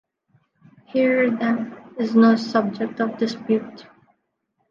Here, then, is no subject of dispute.